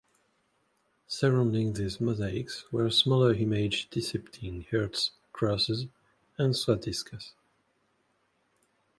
Surrounding these mosaics were smaller images depicting hearts, crosses and swastikas.